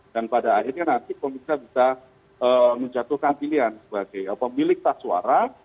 dan pada akhirnya nanti pemerintah bisa menjatuhkan pilihan sebagai pemilik staf suara